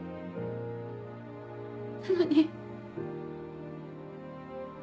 なのに。